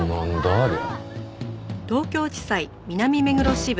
ありゃ。